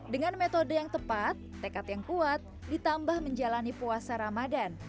dengan metode yang tepat tekad yang kuat ditambah menjalani puasa ramadan